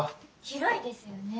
広いですよね。